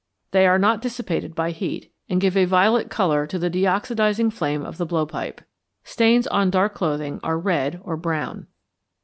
They are not dissipated by heat, and give a violet colour to the deoxidizing flame of the blowpipe. Stains on dark clothing are red or brown.